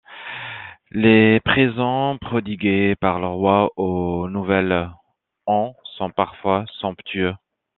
Les présents prodigués par le roi au nouvel an sont parfois somptueux.